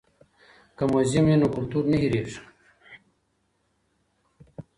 که موزیم وي نو کلتور نه هیریږي.